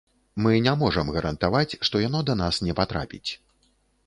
Мы не можам гарантаваць, што яно да нас не патрапіць.